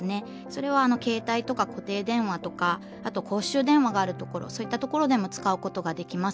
それは携帯とか固定電話とかあと公衆電話があるところそういったところでも使うことができます。